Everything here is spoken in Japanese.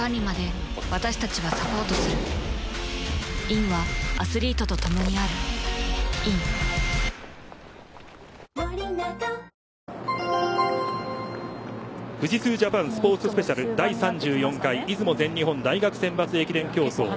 ピンポーン富士通Ｊａｐａｎスポーツスペシャル第３４回出雲全日本大学選抜駅伝競争。